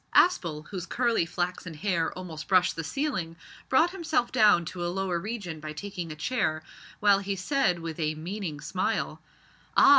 Aspel, whose curly flaxen hair almost brushed the ceiling, brought himself down to a lower region by taking a chair, while he said with a meaning smile "Ah!